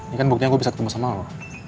ini kan buktinya gue bisa ketemu sama lo